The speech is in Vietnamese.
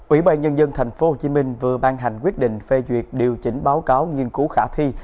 ủy ban nhân dân thành phố hồ chí minh vừa ban hành quyết định phê duyệt điều chỉnh báo cáo nghiên cứu khả thi